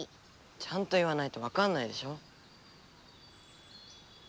ちゃんと言わないとわかんないでしょ。